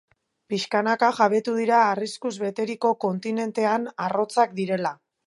Pixkanaka, jabetu dira arriskuz beteriko kontinentean arrotzak direla.